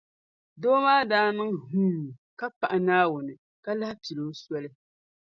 Doo ŋɔ daa niŋ hmm ka paɣi Naawuni ka lahi pili o soli